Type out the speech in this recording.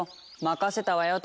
任せたわよ